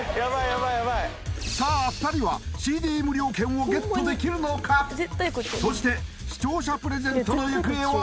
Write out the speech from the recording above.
ヤバいさあ２人はＣＤ無料券をゲットできるのかそして視聴者プレゼントの行方は？